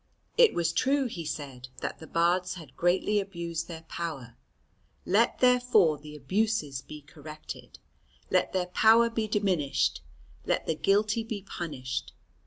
It was true, he said, that the Bards had greatly abused their power; let therefore the abuses be corrected, let their power be diminished, let the guilty be punished.